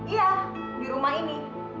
iya di rumah ini